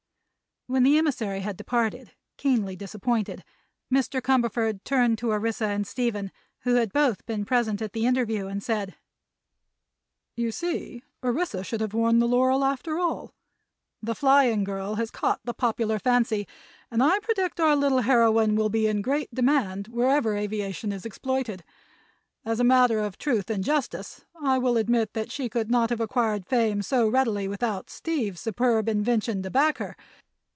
When the emissary had departed, keenly disappointed, Mr. Cumberford turned to Orissa and Stephen, who had both been present at the interview, and said: "You see, Orissa should have worn the laurel crown, after all. 'The Flying Girl' has caught the popular fancy and I predict our little heroine will be in great demand wherever aviation is exploited. As a matter of truth and justice I will admit that she could not have acquired fame so readily without Steve's superb invention to back her.